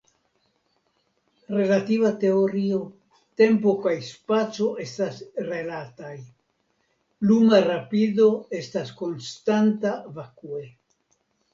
Relativa Teorio: Tempo kaj spaco estas relataj; luma rapido estas konstanta vakue.